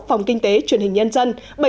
phòng kinh tế truyền hình nhân dân